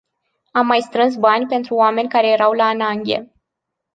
Am mai strâns bani pentru oameni care erau la ananghie.